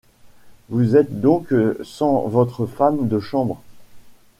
Vous êtes donc sans votre femme de chambre?